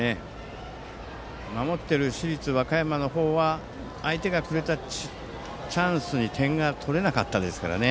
守っている市立和歌山の方は相手がくれたチャンスに点が取れなかったですからね。